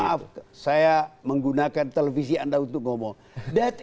maaf saya menggunakan televisi anda untuk ngomong